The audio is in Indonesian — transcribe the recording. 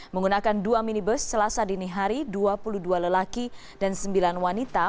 menggunakan dua minibus selasa dini hari dua puluh dua lelaki dan sembilan wanita